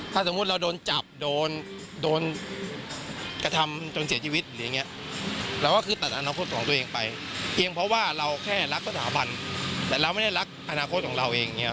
แต่เราไม่ได้รักอนาคตของเราเองนะครับพี่